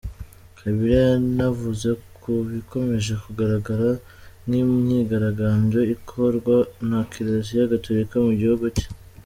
Kabila yanavuze ku bikomeje kugaragara nk’imyigaragambyo ikorwa na Kiliziya Gatolika mu gihugu cye.